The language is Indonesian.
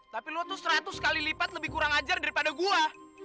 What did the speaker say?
tapi lo tuh seratus kali lipat lebih kurang ajar daripada gua